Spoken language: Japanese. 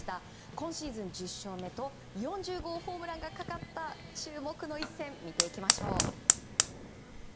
今シーズン１０勝目と４０号ホームランがかかった注目の一戦見ていきましょう。